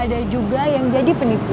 ada juga yang jadi penipu